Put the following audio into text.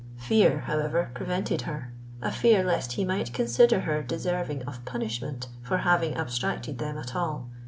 Fear, however, prevented her,—a fear lest he might consider her deserving of punishment for having abstracted them at all.